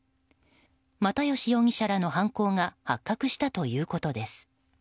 又吉容疑者らの犯行が発覚したということです。